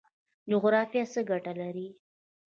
جغرافیه څه ګټه لري؟